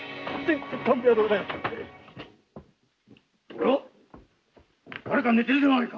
おや誰か寝ているではないか。